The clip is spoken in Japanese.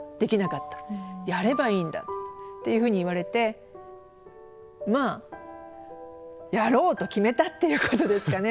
やればいいんだ」っていうふうに言われてまあやろうと決めたっていうことですかね。